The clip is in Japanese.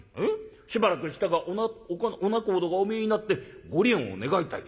しばらくしたらお仲人がお見えになって『ご離縁を願いたい』。